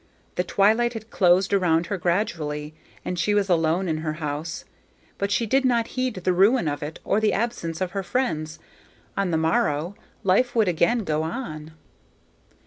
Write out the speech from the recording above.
The twilight had closed around her gradually, and she was alone in her house, but she did not heed the ruin of it or the absence of her friends. On the morrow, life would again go on.